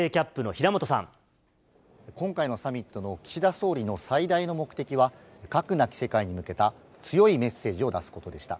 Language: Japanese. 今回のサミットの岸田総理の最大の目的は、核なき世界に向けた強いメッセージを出すことでした。